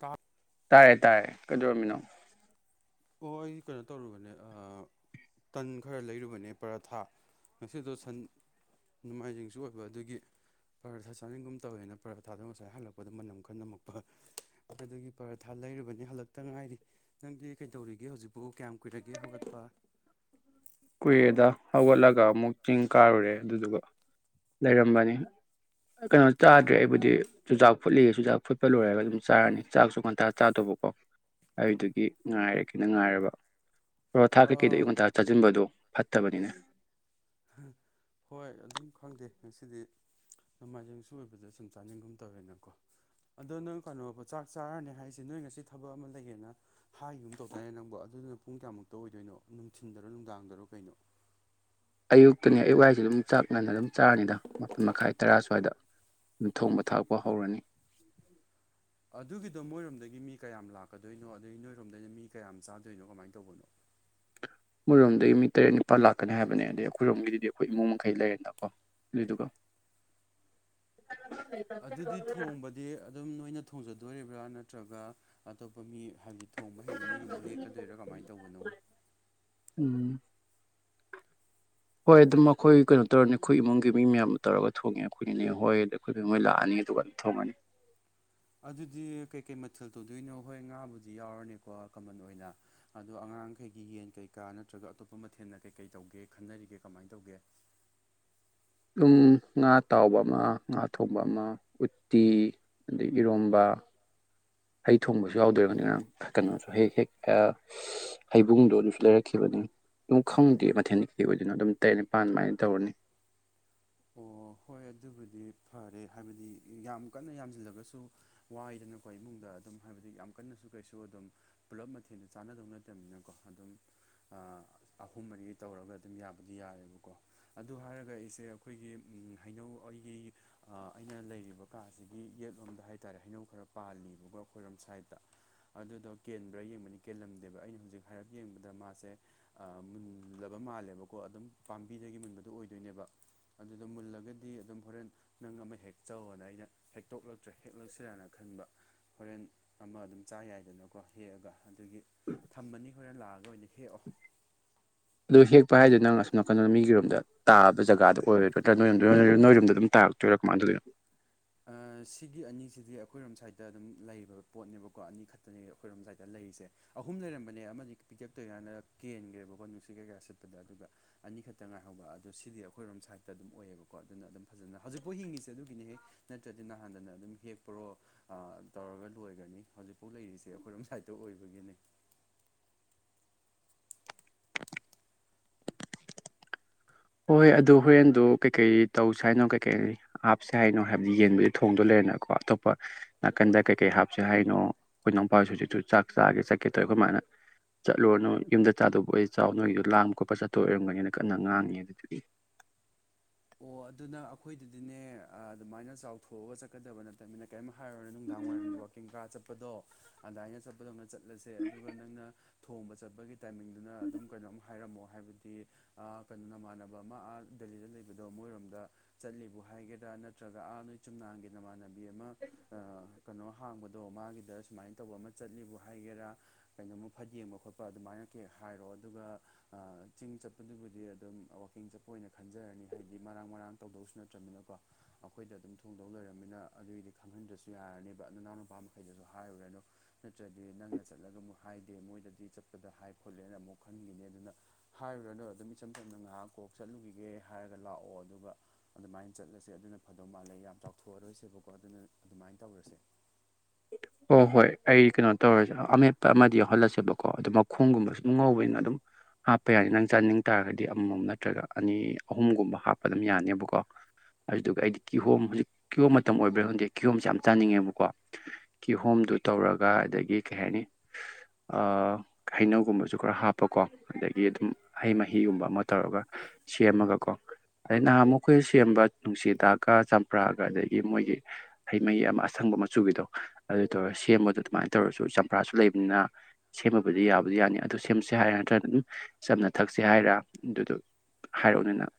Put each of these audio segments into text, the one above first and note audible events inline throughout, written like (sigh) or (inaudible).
ꯇꯥ ꯇꯥꯔꯦ ꯇꯥꯔꯦ ꯀꯩꯗꯧꯔꯝꯃꯤꯅꯣ ꯑꯣ ꯑꯩ ꯀꯩꯅꯣ ꯇꯧꯔꯨꯕꯅꯦ ꯑꯥ ꯇꯟ ꯈꯔꯥ ꯂꯩꯔꯨꯕꯅꯦ ꯄꯔꯥꯊꯥ ꯉꯁꯤꯗꯣ ꯁꯟ ꯅꯣꯡꯃꯥꯏꯖꯤꯡꯁꯨ ꯑꯣꯏꯕ ꯑꯗꯨꯒꯤ ꯄꯔꯥꯊꯥ ꯆꯥꯅꯤꯡꯒꯨꯝ ꯇꯧꯋꯦꯅ ꯄꯔꯥꯊꯥꯗꯣ ꯉꯁꯥꯏ ꯍꯜꯂꯛꯄꯗ ꯃꯅꯝ ꯈꯔꯥ ꯅꯝꯃꯛꯄꯥ ꯑꯗꯨꯗꯒꯤ ꯄꯔꯊꯥ ꯂꯩꯔꯨꯕꯅꯦ ꯍꯟꯂꯥꯛꯇꯥ ꯉꯥꯏꯔꯤ ꯅꯪꯗꯤ ꯀꯩꯗꯧꯔꯤꯒꯦ ꯍꯧꯖꯤꯛꯄꯨ ꯀꯌꯥꯝ ꯀꯨꯏꯔꯒꯦ ꯍꯧꯒꯠꯄ ꯀꯨꯔꯦꯗ ꯍꯧꯒꯠꯂꯒ ꯑꯃꯨꯛ ꯆꯤꯡ ꯀꯥꯔꯨꯔꯦ ꯑꯗꯨꯗꯨꯒ ꯂꯩꯔꯝꯕꯅꯤ ꯀꯩꯅꯣ ꯆꯥꯗ꯭ꯔꯦ ꯑꯩꯕꯨꯗꯤ ꯆꯨꯖꯥꯛ ꯐꯨꯠꯂꯤꯑꯦ ꯆꯨꯖꯥꯛ ꯐꯨꯠꯄ ꯂꯣꯏꯔꯒꯥ ꯑꯗꯨꯝ ꯆꯥꯔꯅꯤ ꯆꯥꯛꯁꯨ ꯉꯟꯇꯥ ꯆꯥꯗꯧꯕꯀꯣ ꯑꯗꯨꯗꯨꯒꯤ ꯉꯥꯏꯔꯒꯦꯅꯥ ꯉꯥꯏꯔꯕ ꯄꯥꯔꯣꯊꯥ ꯀꯩꯀꯩꯗꯣ ꯑꯥ ꯑꯌꯨꯛ ꯉꯟꯇꯥ ꯆꯥꯁꯤꯟꯕꯗꯣ ꯐꯠꯇꯕꯅꯤ ꯍꯣꯏ ꯑꯗꯨꯝ ꯈꯪꯗꯦ ꯉꯁꯤꯗꯤ ꯅꯣꯡꯃꯥꯏꯖꯤꯡꯁꯨ ꯑꯣꯏꯕꯗ ꯁꯨꯝ ꯆꯥꯅꯤꯡꯒꯨꯝ ꯇꯧꯋꯦꯅꯀꯣ ꯑꯗꯣ ꯅꯪ ꯀꯩꯅꯣ ꯆꯥꯛ ꯆꯥꯔꯅꯤ ꯍꯥꯏꯁꯦ ꯅꯣꯏ ꯉꯁꯤ ꯊꯕꯛ ꯑꯃ ꯂꯩꯌꯦꯅ ꯍꯥꯏꯈꯤꯒꯨꯝ ꯇꯧꯗꯥꯢꯅꯦ ꯅꯪꯕꯣ ꯑꯗꯨꯗꯨꯅ ꯄꯨꯡ ꯀꯌꯥꯃꯨꯛꯇ ꯑꯣꯏꯗꯣꯏꯅꯣ ꯅꯨꯡꯊꯤꯟꯗꯔꯣ ꯅꯨꯡꯗꯥꯡꯗꯔꯣ ꯀꯩꯅꯣ ꯑꯌꯨꯛꯇꯅꯦ ꯑꯌꯨꯛ ꯍꯥꯏꯁꯦ ꯑꯗꯨꯝ ꯆꯥꯛ ꯉꯥꯟꯅ ꯑꯗꯨꯝ ꯆꯥꯔꯅꯤꯗ ꯃꯥꯄꯟ ꯃꯈꯥꯏ ꯇꯔꯥ ꯁ꯭ꯋꯥꯏꯗ ꯊꯣꯡꯕ ꯊꯥꯛꯄ ꯍꯧꯔꯅꯤ ꯑꯗꯨꯒꯤꯗꯣ ꯃꯣꯏꯔꯣꯝꯗꯒꯤ ꯃꯤ ꯀꯌꯥꯝ ꯂꯥꯛꯀꯗꯣꯏꯅꯣ ꯑꯗꯩ ꯅꯣꯏꯔꯣꯝꯗꯅ ꯃꯤ ꯀꯌꯥꯝ ꯆꯥꯗꯣꯏꯅꯣ ꯀꯃꯥꯏꯅ ꯇꯧꯕꯅꯣ ꯃꯣꯏꯔꯣꯝꯗꯒꯤ ꯃꯤ ꯇꯔꯦꯠ ꯅꯤꯄꯥꯜ ꯂꯥꯛꯀꯅꯤ ꯍꯥꯏꯕꯅꯦ ꯑꯗꯩ ꯑꯩꯈꯣꯏꯔꯣꯝꯒꯤꯗꯤ ꯑꯩꯈꯣꯏ ꯏꯃꯨꯡ ꯃꯈꯩ ꯂꯩꯔꯦꯗꯅꯥ ꯑꯗꯨꯏꯗꯨꯒꯥ ꯑꯗꯨꯗꯤ ꯊꯣꯡꯕꯗꯤ ꯑꯗꯨꯝ ꯅꯣꯏꯅ ꯊꯣꯡꯖꯗꯣꯔꯤꯕ꯭ꯔꯥ ꯅꯠꯇ꯭ꯔꯒ ꯑꯇꯣꯞꯄ ꯃꯤ ꯍꯥꯏꯕꯗꯤ ꯊꯣꯡꯕ ꯍꯩꯕ ꯃꯤꯒꯨꯝꯕ ꯅꯦꯛꯀꯗꯣꯏꯔꯥ ꯀꯃꯥꯏꯅ ꯇꯧꯕꯅꯣ ꯎꯝ ꯍꯣꯏ ꯑꯗꯨꯝ ꯑꯩꯈꯣꯏ ꯀꯩꯅꯣ ꯇꯧꯔꯅꯤ ꯑꯩꯈꯣꯏ ꯏꯃꯨꯡꯒꯤ ꯃꯤ ꯃꯌꯥꯝ ꯇꯧꯔꯒ ꯊꯣꯡꯉꯦ ꯑꯩꯈꯣꯏ ꯅꯦꯅꯦ ꯍꯣꯏ ꯑꯗꯨꯝ ꯑꯈꯣꯏ ꯅꯦ ꯍꯣꯏ ꯂꯥꯛꯑꯅꯤ ꯑꯗꯨꯒ ꯊꯣꯡꯉꯦ ꯑꯗꯨꯗꯤ ꯀꯩꯀꯩ ꯃꯊꯦꯜ ꯇꯧꯗꯣꯏꯅꯣ ꯍꯣꯏ ꯉꯥꯕꯨꯗꯤ ꯌꯥꯎꯔꯅꯤꯀꯣ ꯀꯃꯟ ꯑꯣꯏꯅ ꯑꯗꯣ ꯑꯉꯥꯡꯈꯩꯒꯤ ꯌꯦꯟ ꯀꯩꯀꯥ ꯅꯠꯇ꯭ꯔꯒ ꯑꯇꯣꯞꯄ ꯃꯊꯦꯜꯅ ꯀꯩꯀꯩ ꯇꯧꯒꯦ ꯈꯟꯅꯔꯤꯒꯦ ꯀꯃꯥꯏꯅ ꯇꯧꯒꯦ ꯑꯗꯨꯝ ꯉꯥ ꯇꯥꯎꯕ ꯑꯃ ꯉꯥ ꯊꯣꯡꯕ ꯑꯃ ꯎꯠꯇꯤ ꯑꯗꯩ ꯏꯔꯣꯝꯕ ꯍꯩ ꯊꯣꯡꯕꯁꯨ ꯌꯥꯎꯗꯣꯏꯑꯣꯏꯔꯝꯅꯤ ꯉꯔꯥꯡ ꯀꯩꯅꯣꯁꯨ ꯍꯦꯛ ꯍꯦꯛ ꯍꯩꯕꯨꯡꯗꯣ ꯑꯗꯨꯁꯨ ꯂꯩꯔꯛꯈꯤꯕꯅꯤ ꯑꯗꯨꯝ ꯈꯪꯗꯦ ꯃꯊꯦꯜ ꯀꯩ ꯑꯣꯏꯗꯣꯏꯅꯣ ꯑꯗꯨꯝ ꯇꯔꯦꯠ ꯅꯤꯄꯥꯥꯟ ꯑꯗꯨꯃꯥꯏꯅ ꯇꯧꯕꯅꯦ ꯑꯣ ꯍꯣꯏ ꯑꯗꯨꯕꯨꯗꯤ ꯐꯔꯦ ꯍꯥꯏꯕꯗꯤ ꯌꯥꯝ ꯀꯟꯅ ꯌꯥꯝꯁꯤꯜꯂꯒꯁꯨ ꯋꯥꯏꯗꯅꯀꯣ ꯏꯃꯨꯡꯗ ꯑꯗꯨꯝ ꯍꯥꯏꯕꯗꯤ ꯌꯥꯝ ꯀꯟꯅꯁꯨ ꯀꯩꯁꯨ ꯑꯗꯨꯝ ꯄꯨꯂꯞ ꯃꯊꯦꯜꯗꯣ ꯆꯥꯟꯅꯗꯧ ꯅꯠꯇꯕꯅꯤꯅꯀꯣ ꯑꯗꯨꯝ ꯑꯍꯨꯝ ꯃꯔꯤ ꯇꯧꯔꯒ ꯑꯗꯨꯝ ꯌꯥꯕꯗꯤ ꯌꯥꯔꯦꯕꯀꯣ ꯑꯗꯨ ꯍꯥꯏꯔꯒ ꯑꯩꯁꯦ ꯑꯩꯈꯣꯏꯒꯤ ꯍꯩꯅꯧ ꯑꯩꯒꯤ ꯑꯩꯅ ꯂꯩꯔꯤꯕ ꯀꯥꯁꯤꯒꯤ ꯌꯦꯠꯂꯣꯝꯗ ꯍꯥꯏ ꯇꯥꯔꯦ ꯍꯩꯅꯧ ꯈꯔ ꯄꯥꯜꯂꯤꯕꯀꯦ ꯈꯣꯏꯔꯣꯝ ꯁꯥꯏꯗꯠꯇꯥ ꯑꯗꯨꯗꯣ ꯀꯦꯟꯕ꯭ꯔꯥ ꯌꯦꯡꯕꯅꯤ ꯀꯦꯜꯂꯝꯗꯦꯕ ꯑꯩꯅ ꯍꯧꯖꯤꯛ ꯍꯥꯏꯔꯞ ꯌꯦꯡꯕꯗ ꯃꯥꯁꯦ ꯑꯥ ꯃꯨꯜꯂꯕꯥ ꯃꯥꯜꯂꯦꯕꯥꯀꯣ ꯑꯗꯨꯝ ꯄꯥꯝꯕꯤꯗꯒꯤ ꯃꯨꯟꯕꯗꯨꯣ ꯑꯣꯏꯗꯣꯏꯅꯦꯕ ꯑꯗꯨꯗ ꯃꯨꯜꯂꯒꯗꯤ ꯑꯗꯨꯝ ꯍꯣꯔꯦꯟ ꯅꯪ ꯑꯃ ꯍꯦꯛꯆꯧꯑꯅ ꯑꯩꯅ ꯍꯦꯛꯇꯣꯛꯂꯛꯇ꯭ꯔꯦ ꯍꯦꯛꯂꯛꯁꯤꯔꯥꯅ ꯈꯟꯕ ꯍꯣꯔꯦꯟ ꯑꯃ ꯑꯗꯨꯝ ꯆꯥ ꯌꯥꯏꯗꯅꯀꯣ ꯍꯦꯛꯑꯒ ꯑꯗꯨꯒꯤ ꯊꯝꯕꯅꯤ ꯍꯣꯔꯦꯟ ꯂꯥꯛꯑꯒ ꯑꯣꯏꯅ ꯍꯦꯛꯑꯣ ꯗꯣ ꯍꯦꯛꯄ ꯍꯥꯏꯗꯣ ꯅꯪ ꯑꯁꯣꯝꯅꯥꯀꯟꯗꯔꯣ ꯃꯤꯒꯤꯔꯣꯝꯗ ꯇꯥꯕ ꯖꯒꯥꯗ ꯑꯣꯏꯔꯣꯏ ꯅꯠꯇ꯭ꯔꯥ ꯅꯣꯏꯔꯝꯗ ꯅꯣꯏꯔꯣꯝꯗ ꯑꯗꯨꯝ ꯇꯥꯔꯛꯇꯣꯏꯔ ꯀꯃꯥꯏ ꯇꯧꯗꯣꯏꯅꯣ ꯑ ꯁꯤꯒꯤ ꯑꯅꯤꯁꯤꯗꯤ ꯑꯩꯈꯣꯏꯔꯣꯝ ꯁꯥꯏꯗ ꯑꯗꯨꯝ ꯂꯩꯕ ꯄꯣꯠꯅꯦꯕꯀꯣ ꯑꯅꯤ ꯈꯇꯅꯦ ꯑꯩꯈꯣꯏꯔꯣꯝ ꯁꯥꯏꯗ ꯂꯩꯔꯤꯁꯦ ꯑꯍꯨꯝ ꯂꯩꯔꯝꯕꯅꯦ ꯑꯃꯗꯤ ꯄꯤꯛꯇꯛ ꯇꯧꯔꯤꯀꯥꯟꯅ ꯀꯦꯟꯒ꯭ꯔꯦꯕꯀꯣ ꯅꯨꯡꯁꯤꯠ ꯀꯩꯀꯥ ꯁꯤꯠꯄꯗ ꯑꯗꯨꯒ ꯑꯅꯤ ꯈꯥꯇꯥ ꯉꯥꯏꯍꯧꯕ ꯑꯗꯣ ꯁꯤꯗꯤ ꯑꯩꯈꯣꯏꯔꯣꯝ ꯁꯥꯏꯠꯇ ꯑꯗꯨꯝ ꯑꯣꯏꯌꯦꯕꯀꯣ ꯑꯗꯨꯅ ꯑꯗꯨꯝ ꯐꯖꯅ ꯍꯧꯖꯤꯛꯐꯥꯎ ꯍꯤꯡꯉꯤꯁꯦ ꯑꯗꯨꯒꯤꯅꯦ ꯍꯦ ꯅꯠꯇ꯭ꯔꯗꯤ ꯅꯍꯥꯟꯗꯅ ꯑꯗꯨꯝ ꯍꯦꯛꯄꯔꯣ ꯑꯥ ꯇꯧꯔꯒ ꯂꯣꯏꯒ꯭ꯔꯅꯤ ꯍꯧꯖꯤꯛꯐꯥꯎ ꯂꯩꯔꯤꯁꯦ ꯑꯩꯈꯣꯏꯔꯣꯝ ꯁꯥꯏꯠꯇ ꯑꯣꯏꯕꯒꯤꯅꯤ ꯍꯣꯏ ꯑꯗꯨ ꯍꯣꯔꯦꯟꯗꯨ ꯀꯩꯀꯩ ꯇꯧꯁꯦ ꯍꯥꯏꯅꯣ ꯀꯩꯀꯩ ꯍꯥꯞꯁꯦ ꯍꯥꯏꯅꯣ ꯍꯥꯏꯕꯗꯤ ꯌꯦꯟꯕꯨꯗꯤ ꯊꯣꯡꯗꯣ ꯂꯩꯔꯦꯅꯀꯣ ꯑꯇꯣꯞꯄ ꯅꯥꯀꯟꯗ ꯀꯩꯀꯩ ꯍꯥꯞꯁꯦ ꯍꯥꯏꯅꯣ ꯑꯩꯈꯣꯏ ꯏꯅꯥꯎꯄꯥꯁꯨ ꯍꯧꯖꯤꯁꯨ ꯆꯥꯛ ꯆꯥꯒꯦ ꯆꯠꯀꯦ ꯇꯧꯏ ꯈꯣꯏꯃꯥꯅ ꯆꯠꯂꯨꯔꯅꯨ ꯌꯨꯝꯗ ꯆꯥꯗꯧꯕ ꯑꯣꯏꯗꯤ ꯆꯥꯎ ꯅꯣꯏꯒꯤꯗꯣ ꯂꯥꯡꯕ ꯈꯣꯠꯄ ꯆꯠꯇꯣꯏ ꯑꯣꯏꯔꯝꯒꯅꯤꯅ ꯀꯟꯅ ꯉꯥꯡꯉꯤ ꯍꯧꯖꯤꯛ (inaudible) ꯑꯣ ꯑꯗꯨꯅ ꯑꯩꯈꯣꯏꯗꯨꯗꯤꯅꯦ ꯑ ꯑꯗꯨꯃꯥꯏꯅ ꯆꯥꯎꯊꯣꯛꯑꯒ ꯆꯠ ꯀꯗꯕ ꯅꯠꯇꯕꯅꯤꯅ ꯀꯔꯤꯝ ꯍꯥꯏꯔꯨꯔꯅꯨ ꯅꯨꯡꯗꯥꯡ ꯋꯥꯏꯔꯝꯒꯤ ꯋꯥꯥꯛꯀꯤꯡꯀꯥ ꯆꯠꯄꯗꯣ ꯑꯗꯥꯏꯅ ꯆꯠꯄꯗꯧꯅ ꯆꯠ ꯂꯁꯦ ꯑꯗꯨꯒ ꯅꯪꯅ ꯊꯣꯡꯕ ꯆꯠꯄꯒꯤ ꯇꯥꯏꯃꯤꯡꯗꯨꯅ ꯑꯗꯨꯝ ꯀꯩꯅꯣꯝ ꯍꯥꯏꯔꯝꯃꯣ ꯍꯥꯏꯕꯗꯤ ꯑ ꯀꯩꯅꯣ ꯅꯃꯥꯟꯅꯕ ꯑꯃ ꯑ ꯗꯦꯜꯂꯤꯗ ꯂꯩ ꯕꯗꯣ ꯃꯣꯏꯔꯣꯝꯗ ꯆꯠꯂꯤꯕꯨ ꯍꯥꯏꯒꯦꯔꯥ ꯅꯠꯇ꯭ꯔꯒ ꯑꯥ ꯅꯣꯏ ꯆꯨꯝꯅꯥꯡꯒꯤ ꯅꯃꯥꯟꯅꯕꯤ ꯑꯃ ꯑ ꯀꯩꯅꯣ ꯍꯥꯡꯕꯗꯣ ꯃꯥꯒꯤꯗ ꯁꯨꯃꯥꯏꯅ ꯇꯧꯕ ꯑꯃ ꯆꯠꯂꯤꯕꯨ ꯍꯥꯏꯒꯦꯔꯥ ꯀꯩꯅꯣꯝꯃ ꯐꯠ ꯌꯦꯡꯕ ꯈꯣꯠꯄ ꯑꯗꯨꯃꯥꯏꯅ ꯀꯦ ꯍꯥꯏꯔꯣ ꯑꯗꯨꯒ ꯑ ꯆꯤꯡ ꯆꯠꯄꯗꯨꯕꯨꯗꯤ ꯑꯗꯨꯝ ꯋꯥꯀꯤꯡ ꯆꯠꯄ ꯑꯣꯏꯅ ꯈꯟꯖꯔꯅꯤ ꯍꯥꯏꯗꯤ ꯃꯔꯥꯡ ꯃꯔꯥꯡ ꯇꯧꯗꯧꯁꯨ ꯅꯠꯇ꯭ꯔꯝꯅꯤꯅꯀꯣ ꯑꯈꯣꯏꯗ ꯑꯗꯨꯝ ꯊꯣꯡꯗꯧ ꯂꯩꯔꯃꯤꯅ ꯑꯗꯨꯏꯗꯤ ꯈꯪꯍꯟꯗ꯭ꯔꯁꯨ ꯌꯥꯔꯅꯦꯕ ꯅꯅꯥꯎ ꯅꯨꯄꯥ ꯃꯈꯩꯗꯁꯨ ꯍꯥꯏꯔꯨꯔꯅꯨ ꯅꯠꯇ꯭ꯔꯗꯤ ꯅꯪꯅ ꯆꯠꯂꯒ ꯑꯃꯨꯛ ꯍꯥꯏꯗꯦ ꯃꯣꯏꯗꯗꯤ ꯆꯠꯄꯗ ꯍꯥꯏ ꯈꯣꯠꯂꯦꯅ ꯑꯃꯨꯛ ꯈꯟꯒꯤꯅꯤ ꯑꯗꯨꯅ ꯍꯥꯏꯔꯨꯔꯅꯨ ꯑꯗꯨꯝ ꯏꯆꯝ ꯆꯝꯅ ꯉꯥꯏꯍꯥꯛ ꯀꯣꯛ ꯆꯠꯂꯨꯒꯤꯒꯦ ꯍꯥꯏꯔꯒ ꯂꯥꯛꯑꯣ ꯑꯗꯨꯒ ꯑꯗꯨꯃꯥꯏꯅ ꯆꯠꯂꯁꯦ ꯑꯗꯨꯅ ꯐꯗꯧ ꯃꯥꯜꯂꯦ ꯌꯥꯝ ꯆꯥꯎꯊꯣꯛꯑꯔꯣꯏꯁꯦꯕꯀꯣ ꯑꯗꯨꯅ ꯑꯗꯨꯃꯥꯏꯅ ꯇꯧꯔꯁꯦ ꯑꯣ ꯍꯣꯏ ꯑꯩ ꯀꯩꯅꯣ ꯇꯧꯔꯁꯦ ꯑꯃꯦꯠꯄ ꯑꯃꯗꯤ ꯌꯥꯎꯍꯜꯂꯁꯦꯕꯀꯣ ꯑꯗꯣ ꯃꯈꯣꯡꯒꯨꯝꯕꯁꯨ ꯑꯗꯨꯝ ꯉꯧꯕꯅꯤꯅ ꯑꯗꯨꯝ ꯍꯥꯞꯄ ꯌꯥꯔꯤ ꯅꯪ ꯆꯥꯅꯤꯡ ꯇꯥꯔꯗꯤ ꯑꯃꯃꯝ ꯅꯠꯇ꯭ꯔꯒ ꯑꯅꯤ ꯑꯍꯨꯝꯒꯨꯝꯕ ꯍꯥꯞꯄ ꯑꯗꯨꯝ ꯌꯥꯅꯦꯕꯀꯣ ꯑꯗꯨꯗꯨꯒ ꯑꯩꯗꯤ ꯀꯤꯍꯣꯝ ꯍꯧꯖꯤꯛ ꯀꯤꯍꯣꯝ ꯃꯇꯝ ꯑꯣꯏꯕꯩꯔꯥ ꯈꯪꯗꯦ ꯀꯤꯍꯣꯝꯁꯦ ꯌꯥꯝ ꯆꯥꯅꯤꯡꯉꯦꯕꯀꯣ ꯀꯤꯍꯣꯝꯗꯨ ꯇꯧꯔꯒ ꯑꯗꯒꯤ ꯀꯩ ꯍꯥꯏꯅꯤ ꯑ ꯍꯩꯅꯧꯒꯨꯝꯕꯁꯨ ꯈꯔ ꯍꯥꯞꯄꯀꯣ ꯑꯗꯒꯤ ꯑꯗꯨꯝ ꯍꯩ ꯃꯍꯤꯒꯨꯝꯕ ꯑꯃ ꯇꯧꯔꯒ ꯁꯦꯝꯃꯒꯀꯣ ꯑꯗꯩ ꯅꯍꯥꯃꯨꯛ ꯑꯩꯈꯣꯏ ꯁꯦꯝꯕ ꯅꯨꯡꯁꯤꯗꯥꯛꯀ ꯆꯝꯄ꯭ꯔꯥꯒ ꯑꯗꯒꯤ ꯃꯣꯏꯒꯤ ꯍꯩ ꯃꯍꯤ ꯑꯃ ꯑꯁꯪꯕ ꯃꯆꯨꯒꯤꯗꯣ ꯑꯗꯨ ꯇꯧꯔꯒ ꯁꯦꯝꯕꯗꯣ ꯑꯗꯨꯃꯥꯏꯅ ꯇꯧꯔꯁꯨ ꯆꯝꯄ꯭ꯔꯥꯁꯨ ꯂꯩꯕꯅꯤꯅ ꯁꯦꯝꯃꯕꯨꯗꯤ ꯌꯥꯕꯨꯗꯤ ꯌꯥꯅꯤ ꯑꯗꯨ ꯁꯦꯝꯁꯦ ꯍꯥꯏꯔꯥ ꯅꯠꯇ꯭ꯔꯒ ꯑꯗꯨꯝ ꯆꯝꯅ ꯊꯛꯁꯦ ꯍꯥꯏꯔꯥ ꯑꯗꯨꯗꯣ ꯍꯥꯏꯔꯛꯑꯣꯅꯦꯅꯪ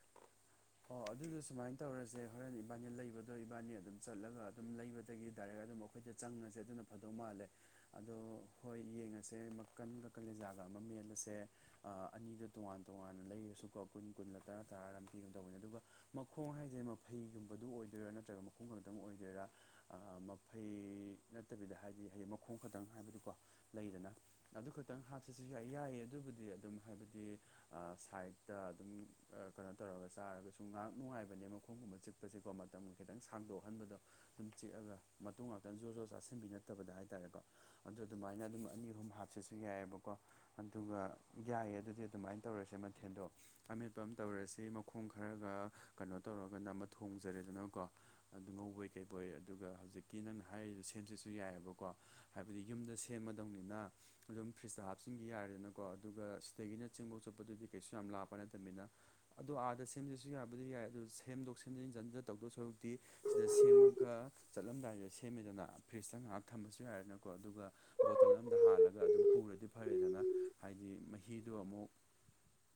ꯑꯣ ꯑꯗꯨꯗꯣ ꯁꯨꯃꯥꯏꯟ ꯇꯧꯔꯁꯦ ꯍꯣꯔꯦꯟ ꯏꯕꯥꯅꯤ ꯂꯩꯕꯗꯣ ꯏꯕꯥꯅꯤ ꯑꯗꯨꯝ ꯆꯠꯂꯒ ꯑꯗꯨꯝ ꯂꯩꯕꯗꯒꯤ ꯗꯥꯏꯔꯦꯛ ꯑꯗꯨꯝ ꯑꯩꯈꯣꯏꯗ ꯆꯪꯉꯁꯦ ꯑꯗꯨꯅ ꯐꯗꯧ ꯃꯥꯜꯂꯦ ꯑꯗꯣ ꯍꯣꯏ ꯌꯦꯡꯉꯁꯦ ꯃꯛꯀꯟꯒ ꯀꯂꯦꯖꯥꯒ ꯑꯃ ꯃꯦꯠꯂꯁꯦ ꯑ ꯑꯅꯤꯗꯣ ꯇꯣꯉꯥꯟ ꯇꯣꯉꯥꯟꯅ ꯂꯩꯔꯁꯨꯀꯣ ꯀꯨꯟ ꯀꯨꯟꯂ ꯇꯔꯥ ꯇꯔꯥꯔ ꯑꯝ ꯄꯤꯕꯅꯦ ꯇꯧꯕꯅꯤ ꯑꯗꯨꯒ ꯃꯈꯣꯡ ꯍꯥꯏꯁꯦ ꯃꯐꯩꯒꯨꯝꯕꯗꯨ ꯑꯣꯏꯗꯣꯏꯔꯥ ꯅꯠꯇ꯭ꯔꯒ ꯃꯈꯣꯡꯈꯛꯇꯪ ꯑꯣꯏꯗꯣꯏꯔꯥ ꯑ ꯃꯐꯩ ꯅꯠꯇꯕꯤꯗ ꯍꯥꯏꯕꯗꯤ ꯍꯌꯦꯡ ꯃꯈꯣꯡ ꯈꯛꯇꯪ ꯍꯥꯏꯕꯗꯤꯀꯣ ꯂꯩꯗꯅ ꯑꯗꯨ ꯈꯛꯇꯪ ꯍꯥꯞꯁꯦꯁꯨ ꯌꯥꯏ ꯌꯥꯏꯌꯦ ꯑꯗꯨꯕꯨꯗꯤ ꯑꯗꯨꯝ ꯍꯥꯏꯕꯗꯤ ꯑ ꯁꯥꯏꯠꯇ ꯑꯗꯨꯝ ꯑ ꯀꯩꯅꯣ ꯇꯧꯔꯒ ꯆꯥꯔꯒꯁꯨ ꯉꯍꯥꯛ ꯅꯨꯡꯉꯥꯏꯕꯅꯦ ꯃꯈꯣꯡꯒꯨꯝꯕ ꯆꯤꯛꯄꯁꯦꯀꯣ ꯃꯇꯝꯒ ꯈꯤꯇꯪ ꯁꯥꯡꯗꯣꯛꯍꯟꯕꯗꯣ ꯁꯨꯝ ꯆꯤꯛꯑꯒ ꯃꯇꯨꯝ ꯉꯥꯛꯇꯪ ꯖꯣꯔ ꯖꯣꯔ ꯆꯥꯁꯤꯟꯕꯤ ꯅꯠꯇꯕꯗ ꯍꯥꯏꯇꯥꯔꯦꯀꯣ ꯑꯗꯨ ꯑꯗꯨꯃꯥꯏꯅ ꯑꯗꯨꯝ ꯑꯅꯤ ꯑꯍꯨꯝ ꯍꯥꯞꯆꯦꯁꯨ ꯌꯥꯏꯑꯦꯕꯀꯣ ꯑꯗꯨꯒ ꯌꯥꯏꯑꯦ ꯑꯗꯨꯗꯤ ꯑꯗꯨꯃꯥꯏꯅ ꯇꯧꯔꯁꯦ ꯃꯊꯦꯜꯗꯣ ꯑꯃꯦꯠꯄ ꯑꯃ ꯇꯧꯔꯁꯤ ꯃꯈꯣꯡ ꯈꯔꯒ ꯀꯩꯅꯣ ꯇꯧꯔꯒ ꯅꯝꯕ ꯊꯣꯡꯖꯔꯦꯗꯅꯀꯣ ꯑꯗꯨ ꯉꯧꯕꯣꯏ ꯀꯩꯧꯕꯣꯏ ꯑꯗꯨꯒ ꯍꯧꯖꯤꯛꯀꯤ ꯅꯪꯅ ꯍꯥꯏꯔꯤꯁ ꯁꯦꯝꯁꯤꯁꯨ ꯌꯥꯏꯑꯕꯀꯣ ꯍꯥꯏꯕꯗꯤ ꯌꯨꯝꯗ ꯁꯦꯝꯃꯗꯧꯅꯤꯅ꯫ ꯑꯗꯨꯝ ꯐ꯭ꯔꯤꯖꯇ ꯍꯥꯞꯆꯤꯟꯈꯤ ꯌꯥꯔꯦꯗꯅꯀꯣ ꯑꯗꯨꯒ ꯁꯤꯗꯒꯤꯅ ꯆꯦꯡꯕꯣꯛ ꯆꯣꯠꯄꯗꯨꯗꯤ ꯀꯩꯁꯨ ꯌꯥꯝ ꯂꯥꯞꯄ ꯅꯠꯇꯕꯅꯤꯅ ꯑꯗꯣ ꯑꯥꯗ ꯁꯦꯝꯖꯁꯨ ꯌꯥꯕꯨꯗꯤ ꯌꯥꯏ ꯑꯗꯨ ꯁꯦꯝꯗꯣꯛ ꯁꯦꯝꯖꯤꯟꯟꯖꯤꯟꯖꯤꯟ ꯇꯧꯗꯣ ꯁꯣꯏꯕꯨꯛꯇꯤ꯫ ꯁꯤꯗ ꯁꯦꯝꯃꯒ ꯆꯠꯂꯝꯗꯥꯏꯁꯤꯗ ꯁꯦꯝꯃꯤꯗꯅ ꯐ꯭ꯔꯤꯖꯇ ꯉꯥꯏꯍꯥꯛ ꯊꯝꯃꯁꯨ ꯌꯥꯏꯔꯦꯅꯀꯣ ꯑꯗꯨꯒ ꯕꯣꯇꯜ ꯑꯃꯝꯗ ꯍꯥꯜꯂꯒ ꯑꯗꯨꯝ ꯄꯨꯔꯗꯤ ꯐꯔꯦꯗꯅ ꯍꯥꯏꯗꯤ ꯃꯍꯤꯗꯣ ꯑꯃꯨꯛ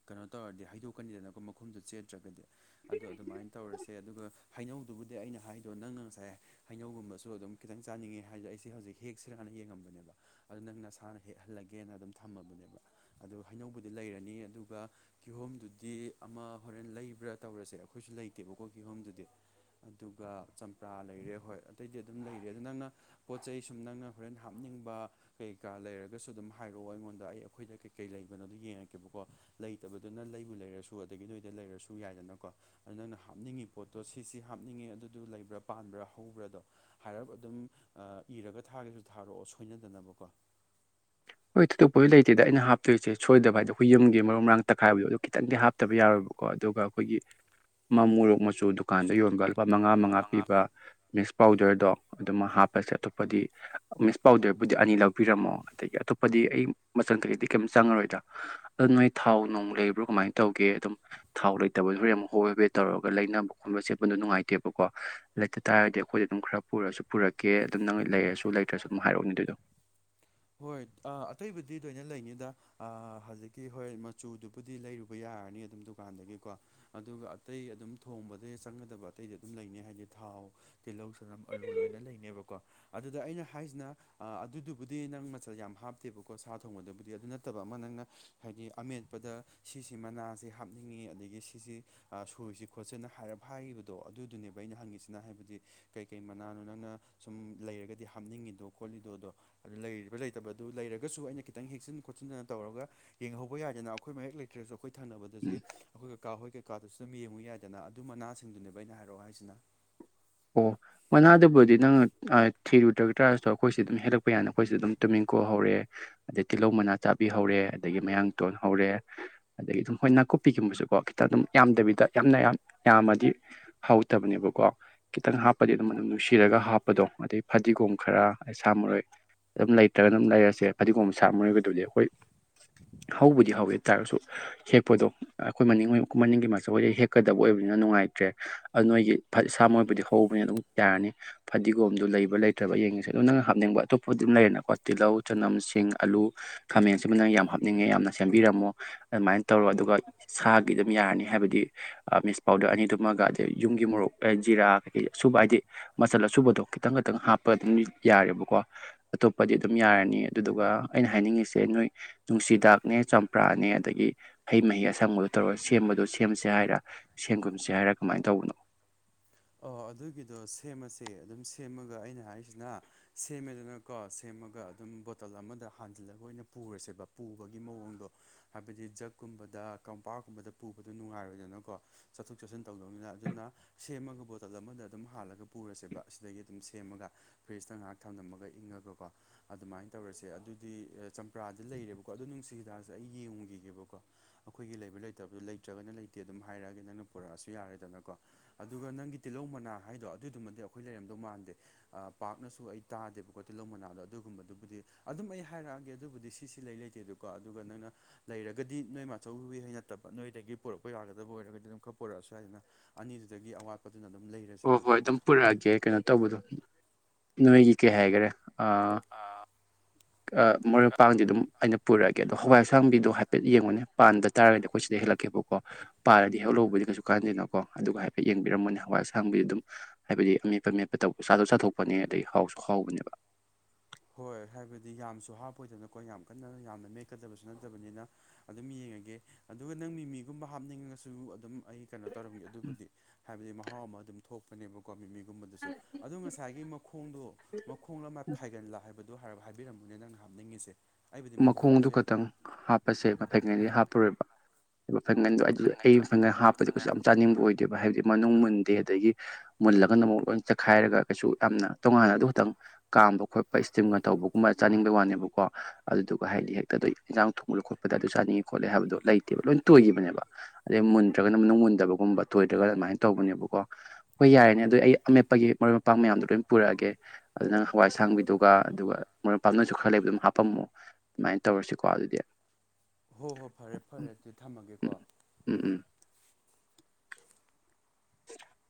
ꯀꯩꯅꯣ ꯇꯧꯔꯗꯤ ꯍꯥꯏꯗꯣꯛꯀꯅꯤꯗꯅꯀꯣ ꯃꯈꯨꯝꯗꯨ ꯆꯦꯠꯇ꯭ꯔꯒꯗꯤ꯫ ꯑꯗꯣ ꯑꯗꯨꯃꯥꯏꯅ ꯇꯧꯔꯁꯦ ꯑꯗꯨꯒ ꯍꯩꯅꯧꯗꯨꯕꯨꯗꯤ ꯑꯩꯅ ꯍꯥꯏꯗꯣ ꯅꯪꯅ ꯉꯁꯥꯏ꯫ ꯍꯩꯅꯧꯒꯨꯝꯕꯁꯨ ꯑꯗꯨꯝ ꯈꯤꯇꯪ ꯆꯥꯅꯤꯡꯉꯦ ꯍꯥꯏꯕ ꯑꯩꯁꯦ ꯍꯧꯖꯤꯛ ꯍꯦꯛꯁꯤꯔ ꯍꯥꯟꯅ ꯌꯦꯡꯉꯝꯕꯅꯦꯕ ꯑꯗꯨ ꯅꯪ ꯅꯁꯥꯅ ꯍꯦꯛꯍꯜꯂꯒꯦꯅ ꯑꯗꯨꯝ ꯊꯝꯃꯕꯅꯦꯕ ꯑꯗꯨ ꯍꯩꯅꯧꯕꯗꯤ ꯂꯩꯔꯅꯤ ꯑꯗꯨꯒ ꯀꯤꯍꯣꯝꯗꯨꯗꯤ ꯑꯃ ꯍꯣꯔꯦꯟ ꯂꯩꯕ꯭ꯔꯥ ꯇꯧꯔꯁꯦ ꯑꯩꯈꯣꯏꯁꯨ ꯂꯩꯇꯦꯕꯀꯣ ꯀꯤꯍꯣꯝꯗꯨꯗꯤ꯫ ꯑꯗꯨꯒ ꯆꯝꯄ꯭ꯔꯥ ꯂꯩꯔꯦ ꯍꯣꯏ ꯑꯇꯩꯗꯤ ꯑꯗꯨꯝ ꯂꯩꯔꯦ ꯑꯗꯣ ꯅꯪꯅ ꯄꯣꯠ ꯆꯩ ꯁꯨꯝ ꯅꯪꯅ ꯍꯣꯔꯦꯟ ꯍꯥꯞꯅꯤꯡꯕ ꯀꯩꯀꯥ ꯂꯩꯔꯒꯁꯨ ꯑꯗꯨꯝ ꯍꯥꯏꯔꯛꯑꯣ ꯑꯩꯉꯣꯟꯗ ꯑꯩ ꯑꯩꯈꯣꯏꯗ ꯀꯩꯀꯩ ꯂꯩꯕꯅꯣꯗꯣ ꯌꯦꯡꯉꯛꯀꯦꯕꯀꯣ ꯂꯩꯇꯕꯗꯨꯅ ꯂꯩꯕꯨ ꯂꯩꯔꯁꯨ ꯑꯗꯒꯤ ꯅꯣꯏꯗ ꯂꯩꯔꯁꯨ ꯌꯥꯏꯗꯅꯀꯣ ꯑꯗꯨ ꯅꯪꯅ ꯍꯥꯞꯅꯤꯡꯉꯤ ꯄꯣꯠꯇꯣ ꯁꯤꯁꯤ ꯍꯥꯞꯅꯤꯡꯉꯦ ꯑꯗꯨꯗꯨ ꯂꯩꯕ꯭ꯔꯥ ꯄꯥꯟꯕ꯭ꯔꯥ ꯍꯧꯕ꯭ꯔꯥꯗꯣ ꯍꯥꯏꯔꯞ ꯑꯗꯨꯝ ꯏꯔꯒ ꯊꯥꯒꯦꯁꯨ ꯊꯥꯔꯛꯑꯣ ꯁꯣꯏꯅꯗꯅꯕꯀꯣ ꯍꯣꯏ ꯊꯣꯏꯗꯣꯛꯄꯁꯨ ꯂꯩꯇꯦꯗ ꯑꯩꯅ ꯍꯥꯞꯇꯣꯏꯁꯦ ꯁꯣꯏꯗꯕ ꯍꯥꯏꯗꯣ ꯍꯨꯏꯨꯝꯒꯤ ꯃꯔꯥꯡꯛꯥꯏꯕꯣ ꯑꯗꯨꯣ ꯈꯤꯇꯪꯗꯤ ꯍꯥꯞꯇꯕ ꯌꯥꯔꯣꯏꯕꯣ ꯀꯣ ꯑꯗꯨꯒ ꯑꯩꯈꯣꯏꯒꯤ꯫ (inaudible) ꯃꯝꯔꯣꯛ ꯃꯆꯨ ꯗꯨꯀꯥꯟꯗ ꯌꯣꯟꯕ ꯂꯨꯄꯥ ꯃꯉꯥ ꯃꯉꯥ ꯄꯤꯕ ꯃꯤꯛꯁ ꯄꯥꯎꯗꯔꯗꯣ ꯑꯗꯨꯃ ꯍꯥꯞꯄꯁꯦ ꯑꯇꯣꯞꯄꯗꯤ ꯃꯤꯁ ꯄꯥꯎꯗꯦꯔꯕꯨꯗꯤ ꯑꯅꯤ ꯂꯧꯕꯤꯔꯝꯃꯣ ꯑꯗꯒꯤ ꯑꯇꯣꯞ ꯄꯗꯤ ꯑꯩ ꯃꯆꯟꯈꯛꯗꯤ ꯀꯩꯝ ꯆꯪꯉꯔꯣꯏꯗ ꯑꯗꯨꯣ ꯅꯣꯏ ꯊꯥꯎ ꯅꯅꯨꯡ ꯂꯩꯕ꯭ꯔꯣ ꯀꯃꯥꯏꯅ ꯇꯧꯒꯦ ꯑꯗꯨꯝ ꯊꯥꯎ ꯂꯩꯇꯕꯗ ꯍꯣꯔꯦꯟꯛ ꯍꯣꯏꯦ ꯍꯕꯦ ꯇꯧꯔꯒ ꯂꯩꯅꯕ ꯈꯣꯠꯄ ꯁꯦꯠꯄꯗꯣ ꯅꯨꯡꯉꯥꯏꯇꯦꯕꯀꯣ ꯂꯩꯇ ꯇꯥꯔꯒꯗꯤ ꯑꯩꯈꯣꯏꯗ ꯑꯗꯨꯝ ꯈꯔ ꯄꯨꯔꯁꯨ ꯄꯨꯔꯛꯀꯦ ꯑꯗꯨꯝ ꯅꯪ ꯂꯩꯔꯁꯨ ꯂꯩꯇ꯭ꯔꯁꯨ ꯑꯗꯨꯝ ꯍꯥꯏꯔꯛꯎꯅꯦ ꯑꯗꯨꯗꯣ ꯍꯣꯏ ꯑꯇꯩꯕꯨꯗꯤ ꯂꯣꯏꯅ ꯂꯩꯅꯤꯗ ꯍꯧꯖꯤꯛꯀꯤ ꯍꯣꯏ ꯃꯆꯨꯗꯨꯕꯨꯗꯤ ꯂꯩꯔꯨꯕ ꯌꯥꯔꯅꯤ ꯑꯗꯨꯝ ꯗꯨꯀꯥꯟꯗꯒꯤꯀꯣ꯫ ꯑꯗꯨꯒ ꯑꯇꯩ ꯑꯗꯨꯝ ꯊꯣꯡꯕꯗ ꯆꯪꯒꯗꯕ ꯑꯇꯩꯗꯤ ꯑꯗꯨꯝ ꯂꯩꯅꯤꯩ ꯍꯥꯏꯗꯤ ꯊꯥꯎ ꯇꯤꯜꯍꯧ ꯆꯅꯝ ꯑꯂꯨ ꯂꯣꯏꯅ ꯂꯩꯅꯦꯕꯀꯣ ꯑꯗꯨꯗ ꯑꯩꯅ ꯍꯥꯏꯁꯤꯅ ꯑꯗꯨꯗꯨꯕꯨꯗꯤ ꯑꯗꯨꯗꯤ ꯅꯪ ꯃꯆꯜ ꯌꯥꯝ ꯍꯥꯞꯇꯦꯕꯀꯣ ꯁꯥ ꯊꯣꯡꯕꯗꯕꯨꯗꯤ ꯑꯗꯨ ꯅꯠꯇꯕ ꯑꯃ ꯅꯪꯅ ꯍꯥꯏꯗꯤ ꯑꯃꯦꯠꯄꯗ ꯁꯤꯁꯤ ꯃꯅꯥꯁꯤ ꯍꯥꯞꯅꯤꯡꯉꯤ ꯑꯗꯒꯤ ꯁꯤꯁꯤ ꯁꯣꯏꯁꯤ ꯈꯣꯠꯁꯦꯅ ꯍꯥꯏ ꯍꯥꯏꯈꯤꯕꯗꯣ ꯑꯗꯨꯗꯨꯅꯦꯕ ꯑꯩꯅ ꯍꯪꯉꯤꯁꯤꯅ ꯍꯥꯏꯕꯗꯤ ꯀꯩ ꯀꯩ ꯃꯅꯥꯅꯣ ꯅꯪꯅ ꯁꯨꯝ ꯂꯩꯔꯒꯗꯤ ꯍꯥꯞꯅꯤꯡꯉꯤꯗꯣ ꯈꯣꯠꯂꯤꯗꯣꯗꯣ ꯑꯗꯨ ꯂꯩꯔꯤꯕ ꯂꯩꯇꯕ ꯑꯗꯨ ꯂꯩꯔꯒꯁꯨ ꯑꯩꯅ ꯈꯤꯇꯪ ꯍꯦꯛꯆꯟ ꯈꯣꯠꯆꯤꯟꯗꯅ ꯇꯧꯔꯒ ꯌꯦꯡꯍꯧꯕ ꯌꯥꯗꯅ ꯑꯩꯈꯣꯏ ꯃ ꯍꯦꯛ ꯂꯩ꯫ ꯭ꯔꯦꯁꯨ ꯑꯩꯈꯣꯏ ꯎꯝ ꯊꯥꯅꯕꯗꯗꯤ ꯑꯩꯈꯣꯏ ꯀꯀꯥ ꯍꯣꯏ ꯀꯀꯥꯗꯨꯁꯨ ꯑꯗꯨꯝ ꯌꯦꯡꯉꯨ ꯌꯥꯏꯗꯅ ꯑꯗꯨ ꯃꯅꯥꯁꯤꯡꯗꯨꯅꯦꯕ ꯑꯩꯅ ꯍꯥꯏꯔꯛꯑꯣ ꯍꯥꯏꯁꯤꯅ ꯑꯣ ꯃꯅꯥꯗꯕꯨꯗꯤ ꯅꯪꯅ ꯊꯤꯔꯨꯗ꯭ꯔꯒ ꯇꯥꯔꯁꯨ ꯑꯩꯈꯣꯏꯁ ꯑꯗꯨꯝ ꯍꯦꯜꯂꯛꯄ ꯌꯥꯅ ꯑꯩꯈꯣꯏꯁꯨ ꯑꯗꯨꯝ ꯇꯨꯃꯤꯡ ꯀꯣ ꯍꯧꯔꯛꯦ꯫ ꯑꯗꯩ ꯇꯤꯜꯍꯧ ꯃꯅꯥ ꯆꯥꯕꯤ ꯍꯧꯔꯦ ꯑꯗꯒꯤ ꯃꯌꯥꯡꯇꯣꯟ ꯍꯧꯔꯦ꯫ ꯑꯗꯒꯤ ꯑꯗꯨꯝ ꯍꯣꯏ ꯅꯥꯀꯨꯞꯄꯤꯒꯨꯝꯕꯁꯨꯀꯣ ꯈꯤꯇꯪ ꯑꯗꯨꯝ ꯌꯥꯝꯗꯕꯤꯗ ꯌꯥꯝꯅ ꯌꯥꯝ ꯌꯥꯝꯃꯗꯤ꯫ ꯍꯧꯇꯕꯅꯦꯕꯀꯣ꯫ ꯈꯤꯇꯪ ꯍꯥꯞꯄꯗꯤ ꯑꯗꯨꯝ ꯑꯗꯨꯝ ꯅꯨꯡꯁꯤꯔꯒ ꯍꯥꯞꯄꯗꯣ ꯑꯗꯩ ꯐꯗꯤꯒꯣꯝ ꯈꯔ ꯁꯥ ꯃꯔꯣꯏ꯫ ꯑꯗꯨꯝ ꯂꯩꯇ꯭ꯔꯒ ꯑꯗꯨꯝ ꯂꯩꯔꯁꯦ ꯐꯗꯤꯒꯣꯝ ꯁꯥꯃꯔꯒꯗꯨꯗꯤ ꯑꯩꯈꯣꯏ ꯍꯧꯕꯗꯤ ꯍꯧꯋꯦ ꯇꯥꯔꯒꯁꯨ ꯍꯦꯛꯄꯗꯣ ꯑꯩꯈꯣꯏ ꯃꯅꯤꯡ ꯃꯅꯤꯡꯒꯤ ꯃꯆ ꯑꯩꯣꯏꯗ ꯍꯦꯛꯀꯗꯕ ꯑꯣꯏꯕꯅꯤꯅ ꯅꯨꯡꯉꯥꯏꯇ꯭ꯔꯦ꯫ ꯑꯗꯨ ꯅꯣꯏꯒꯤ ꯏꯁꯥꯃꯛꯣꯏꯕꯨꯗꯤ ꯍꯧꯕꯅꯤ ꯑꯗꯨꯝ ꯌꯥꯔꯅꯤ꯫ ꯐꯗꯤꯒꯣꯝꯗꯨ ꯂꯩꯕ꯭ꯔ ꯂꯩꯇ꯭ꯔꯕ ꯌꯦꯡꯉꯤꯁꯦ ꯑꯗꯣ ꯅꯪꯅ ꯍꯥꯞꯅꯤꯡꯕ ꯑꯇꯣꯞꯄ ꯑꯗꯨꯝ ꯂꯩꯔꯦꯅꯀꯣ ꯇꯤꯜꯍꯧ ꯆꯅꯝꯁꯤꯡ ꯑꯂꯨ ꯈꯥꯃꯦꯟꯁꯤꯕꯨ ꯅꯪ ꯌꯥꯝ ꯍꯥꯞꯅꯤꯡꯉꯦ ꯌꯥꯝꯅ ꯁꯦꯝꯕꯤꯔꯝꯃꯣ ꯑꯗꯨꯃꯥꯏꯅ ꯇꯧꯔꯣ ꯑꯗꯨꯒ ꯁꯥꯒꯤ ꯑꯗꯨꯝ ꯌꯥꯔꯅꯤ ꯍꯥꯏꯕꯗꯤ ꯃꯤꯁ ꯄꯥꯎꯗꯔ ꯑꯅꯤꯗꯨꯝꯃꯒ ꯑꯗꯩ ꯌꯨꯝꯒꯤ ꯃꯣꯔꯣꯛ ꯖꯤꯔꯥ ꯑꯁꯨꯕ ꯍꯥꯏꯗꯤ ꯃꯆꯜ ꯑꯁꯨꯕꯗꯣ ꯈꯤꯇꯪ ꯈꯤꯇꯪ ꯍꯥꯞꯄ ꯑꯗꯨꯝ ꯌꯥꯔꯦꯕꯀꯣ ꯑꯇꯣꯞꯄꯗꯤ ꯑꯗꯨꯝ ꯌꯥꯔꯅꯤ ꯑꯗꯨꯗꯨꯒ ꯑꯩꯅ ꯍꯥꯏꯅꯤꯡꯉꯤꯁꯦ ꯅꯣꯏ ꯅꯨꯡꯁꯤꯗꯥꯛ ꯅꯦ ꯆꯝꯄ꯭ꯔꯥꯅꯦ ꯑꯗꯒꯤ ꯍꯩ ꯃꯍꯩ ꯑꯁꯪꯕꯗꯣ ꯇꯧꯔꯒ ꯁꯦꯝꯕꯗꯣ ꯁꯦꯝꯁꯦ ꯍꯥꯏꯔ ꯁꯦꯝꯒꯨꯝꯁꯦ ꯍꯥꯏꯔꯥ ꯀꯃꯥꯏꯅ ꯇꯧꯕꯅꯣ ꯑꯣ ꯑꯗꯨꯒꯤꯗꯣ ꯁꯦꯝꯃꯁꯦ ꯑꯗꯨꯝ ꯁꯦꯝꯃꯒ ꯑꯩꯅ ꯍꯥꯏꯔꯤꯁꯤꯅ ꯁꯦꯝꯃꯦꯗꯅꯀꯣ ꯁꯦꯝꯃꯒ ꯑꯗꯨꯝ ꯕꯣꯇꯜ ꯑꯃꯗ ꯍꯟꯖꯤꯜꯂꯒ ꯑꯣꯏꯅ ꯄꯨꯔꯁꯦꯕ ꯄꯨꯕꯒꯤ ꯃꯑꯣꯡꯗꯣ ꯍꯥꯏꯕꯗꯤ ꯖꯛꯀꯨꯝꯕꯗ ꯀꯝꯄꯥꯛꯀꯨꯝꯕꯗ ꯄꯨꯕꯗꯣ ꯅꯨꯡꯉꯥꯏꯔꯣꯏꯗꯅꯀꯣ ꯆꯠꯊꯣꯛ ꯆꯠꯁꯤꯟ ꯇꯧꯗꯧꯅꯤꯅ ꯑꯗꯨꯅ ꯁꯦꯝꯃꯒ ꯕꯣꯇꯜ ꯑꯃꯗ ꯑꯗꯨꯝ ꯍꯥꯜꯂꯒ ꯄꯨꯔꯁꯦꯕ ꯑꯁꯤꯗꯒꯤ ꯑꯗꯨꯝ ꯁꯦꯝꯃꯒ ꯐ꯭ꯔꯤꯖꯇ ꯉꯥꯏꯍꯥꯛ ꯊꯝꯂꯝꯃꯒ ꯏꯪꯉꯒꯀꯣ ꯑꯗꯨꯃꯥꯏꯅ ꯇꯧꯔꯁꯦ ꯑꯗꯨꯗꯤ ꯆꯝꯄ꯭ꯔꯥꯗꯤ ꯂꯩꯔꯦꯕꯀꯣ ꯑꯗꯣ ꯅꯨꯡꯁꯤ ꯍꯤꯗꯥꯛꯁꯦ ꯑꯩ ꯌꯦꯡꯈꯤꯒꯦꯕꯀꯣ ꯑꯩꯈꯣꯏꯒꯤ ꯂꯩꯕ ꯂꯩꯇꯕꯗ ꯂꯩꯇ꯭ꯔꯒꯅ ꯂꯩꯇꯦ ꯑꯗꯨꯝ ꯍꯥꯏꯔꯛꯑꯒꯦ ꯅꯪꯅ ꯄꯨꯔꯛꯑꯁꯨ ꯌꯥꯔꯦꯗꯅꯀꯣ ꯑꯗꯨꯒ ꯅꯪꯒꯤ ꯇꯤꯜꯍꯧ ꯃꯅꯥ ꯍꯥꯏꯗꯣ ꯑꯗꯨꯒꯤꯗꯨꯃꯗꯤ ꯑꯩꯈꯣꯏ ꯂꯩꯔꯝꯗꯧ ꯃꯥꯟꯗꯦ ꯄꯥꯛꯅꯁꯨ ꯑꯩ ꯇꯥꯗꯦꯕꯀꯣ ꯇꯤꯜꯍꯧ ꯃꯅꯥꯗꯣ ꯑꯗꯨꯒꯨꯝꯕꯗꯨꯕꯨꯗꯤ ꯑꯗꯨꯝ ꯑꯩ ꯍꯥꯏꯔꯛꯑꯒꯦ ꯑꯗꯨꯕꯨꯗꯤ ꯁꯤꯁꯤ ꯂꯩ ꯂꯩꯇꯦ ꯑꯗꯨ ꯀꯣ ꯑꯗꯨꯒ ꯅꯪꯅ ꯂꯩꯔꯒꯗꯤ ꯅꯣꯏ ꯃꯆꯧꯕꯤ ꯍꯩ ꯅꯠꯇꯕ ꯅꯣꯏꯗꯒꯤ ꯄꯨꯣꯔꯛꯄ ꯌꯥꯒꯗꯕ ꯑꯣꯏꯔꯒꯗꯤ ꯑꯗꯨꯝ ꯈꯔ ꯄꯣꯔꯛꯑꯁꯨ ꯌꯥꯏꯗꯅ ꯑꯅꯤꯗꯨꯗꯒꯤ ꯑꯋꯥꯠꯄ ꯑꯗꯨꯅ ꯑꯗꯨꯝ ꯂꯩꯔꯒ ꯑꯣ ꯍꯣꯏ ꯑꯗꯨꯝ ꯄꯨꯔꯛꯑꯒꯦ ꯀꯩꯅꯣ ꯇꯧꯕꯗꯣ ꯅꯣꯏꯒꯤ ꯀꯩ ꯍꯥꯏꯒꯦꯔꯥ ꯑꯥ ꯑꯥ ꯃꯔꯣꯏ ꯃꯄꯥꯡꯗꯤ ꯑꯗꯨꯝ ꯑꯩꯅ ꯄꯨꯔꯛꯑꯒꯦ ꯑꯗꯣ ꯍꯋꯥꯏ ꯑꯁꯥꯕꯤꯗꯣ ꯍꯥꯏꯐꯦꯠ ꯌꯦꯡꯉꯨꯅꯦ ꯄꯥꯟꯕ ꯇꯥꯔꯒꯗꯤ ꯑꯩꯈꯣꯏ ꯁꯤꯗꯩ ꯍꯦꯜꯂꯛꯀꯦꯕꯀꯣ ꯄꯥꯜꯂꯗꯤ ꯍꯦꯍꯜ ꯂꯧꯕꯗꯤ ꯀꯩꯁꯨ ꯀꯥꯟꯗꯅꯀꯣ ꯑꯗꯨꯒ ꯍꯥꯏꯐꯦꯠ ꯌꯦꯡꯕꯤꯔꯝꯃꯣꯅꯦ ꯍꯋꯥꯏ ꯑꯁꯥꯡꯕꯤꯗꯤ ꯑꯗꯨꯝ ꯍꯥꯏꯕꯗꯤ ꯑꯃꯦꯠꯄ ꯃꯦꯠꯄ ꯇꯧꯕ ꯆꯥꯗꯣꯛ ꯆꯥꯊꯣꯛꯄꯅꯦ ꯑꯗꯩ ꯍꯥꯎꯁꯨ ꯍꯥꯎꯕꯅꯦꯕ ꯍꯣꯏ ꯍꯥꯏꯕꯗꯤ ꯌꯥꯝꯁꯨ ꯍꯥꯞꯄꯣꯏꯗꯕꯅꯀꯣ ꯌꯥꯝ ꯀꯟꯅ ꯌꯥꯝꯅ ꯃꯦꯛꯀꯗꯕꯁꯨ ꯅꯠꯇꯕꯅꯤꯅ ꯑꯗꯨꯝ ꯌꯦꯡꯉꯒꯦ ꯑꯗꯨꯒ ꯅꯪ ꯃꯤꯃꯤꯒꯨꯝꯕ ꯍꯥꯞꯅꯤꯡꯉꯒꯁꯨ ꯑꯗꯨꯝ ꯑꯩ ꯀꯩꯅꯣ ꯇꯧꯔꯝꯒꯦ ꯑꯗꯨꯕꯨꯗꯤ ꯍꯥꯏꯕꯗꯤ ꯃꯍꯥꯎ ꯑꯃ ꯑꯗꯨꯝ ꯊꯣꯛꯄꯅꯦꯕꯀꯣ ꯃꯤꯃꯤ ꯑꯗꯨꯨꯝꯕꯗꯨꯁꯨ ꯑꯗꯨ ꯉꯁꯥꯏꯒꯤ ꯃꯈꯣꯡꯗꯣ ꯃꯈꯣꯡꯂ ꯃꯥ ꯐꯥꯏꯒꯜꯂ ꯑꯗꯨ ꯍꯥꯏꯔꯞ ꯍꯥꯏꯕꯤꯔꯝꯃꯨꯅꯦ ꯅꯪꯅ ꯍꯥꯞꯅꯤꯡꯉꯤꯁꯦ ꯑꯩꯕꯨꯗꯤ ꯃꯈꯣꯡ ꯃꯈꯣꯡꯗꯨ ꯍꯥꯞꯄꯁꯨ ꯌꯥꯏꯕ ꯈꯛꯇꯪ ꯍꯥꯞꯄꯁꯦ ꯃꯇꯪꯉꯩꯗꯤ ꯍꯥꯞꯄꯔꯣꯏꯕ (unintelligible) ꯑꯩ ꯐꯪꯒꯟ ꯍꯥꯞꯄꯗꯤ ꯀꯩꯁꯨ ꯌꯥꯝ ꯆꯥꯅꯤꯡꯕ ꯑꯣꯏꯗꯦꯕ ꯍꯥꯏꯕꯗꯤ ꯃꯅꯨꯡ ꯃꯨꯟꯗꯦ ꯑꯗꯒꯤ ꯃꯨꯜꯂꯒꯅ ꯑꯃꯨꯛ ꯂꯣꯏ ꯆꯠꯈꯥꯏꯔꯒ ꯀꯩꯁꯨ ꯌꯥꯝꯅ ꯇꯣꯉꯥꯟꯅ ꯑꯗꯨ ꯈꯛꯇꯪ ꯀꯥꯝꯕ ꯈꯣꯠꯄ ꯏꯁꯇꯤꯝꯒ ꯇꯧꯕꯒꯨꯝꯕ ꯆꯥꯅꯤꯡꯕꯩ ꯋꯥꯅꯦꯕꯀꯣ ꯑꯗꯨꯗꯨꯒ ꯍꯥꯏꯗꯤ ꯍꯦꯛꯇ ꯑꯗꯨ ꯏꯟꯖꯥꯡ ꯊꯣꯡꯕꯒ ꯈꯣꯠꯄꯗ ꯑꯗꯨ ꯆꯥꯅꯤꯡꯉꯦ ꯈꯣꯠꯂꯦ ꯍꯥꯏꯕꯗꯣ ꯂꯩꯇꯦꯕ ꯂꯣꯏꯅ ꯇꯣꯏꯒꯤꯕꯅꯦꯕ ꯑꯗꯩ ꯃꯨꯟꯗ꯭ꯔꯒꯅ ꯃꯅꯨꯡ ꯃꯨꯟꯗꯕꯒꯨꯝꯕ ꯇꯣꯏꯗ꯭ꯔꯥꯒꯅ ꯑꯗꯨꯃꯥꯏꯅ ꯇꯧꯕꯅꯦꯕꯀꯣ ꯍꯣꯏ ꯌꯥꯔꯅꯦ ꯑꯗꯨ ꯑꯩ ꯑꯃꯦꯠꯄꯒꯤ ꯃꯔꯣꯏ ꯃꯄꯥꯡ ꯃꯌꯥꯝꯗꯣ ꯂꯣꯏ ꯄꯨꯔꯛꯑꯒꯦ ꯑꯗꯨ ꯅꯪ ꯍꯋꯥꯏ ꯑꯁꯥꯡꯕꯤꯗꯨꯒ ꯑꯗꯨꯒ ꯃꯔꯣꯏ ꯄꯥꯅꯁꯨ ꯈꯔ ꯂꯩꯕꯗꯣ ꯑꯗꯨꯝ ꯍꯥꯄꯝꯃꯣ ꯑꯗꯨꯨꯃꯥꯏꯅ ꯇꯧꯔꯁꯤꯀꯣ ꯑꯗꯨꯗꯤ ꯍꯣ ꯍꯣꯏ ꯐꯔꯦ ꯐꯔꯦ ꯎꯝ ꯑꯗꯨꯗꯤ ꯎꯝ ꯊꯝꯃꯒꯦꯀꯣ ꯎꯝ ꯎꯝ (inaudible)